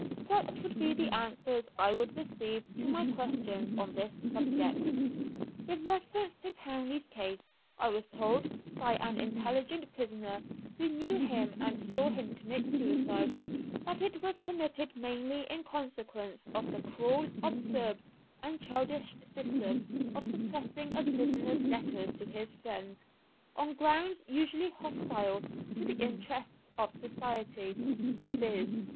Such would be the answers I would receive to my questions on this subject. With reference to Townley's case I was told by an intelligent prisoner, who knew him and saw him commit suicide, that it was committed mainly in consequence of the cruel, absurd and childish system of suppressing a prisoner's letters to his friends, on grounds usually hostile to the interests of society, viz.